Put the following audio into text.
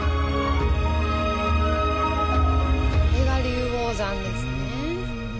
これが龍王山ですね。